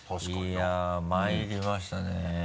いやぁまいりましたね。